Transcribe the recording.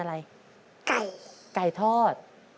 ไก่ไก่ทอด